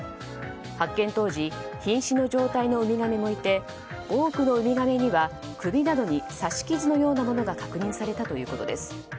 発見当時瀕死の状態のウミガメもいて多くのウミガメには首などに刺し傷のようなものが確認されたということです。